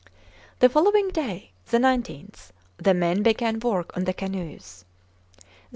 The following day, the 19th, the men began work on the canoes.